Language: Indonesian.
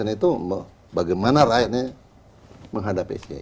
itu bagaimana rakyatnya menghadapi sd